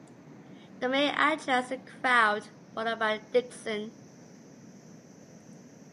The mayor addressed the crowd, followed by Dixon.